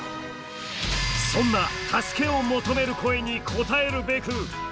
そんな助けを求める声に応えるべく。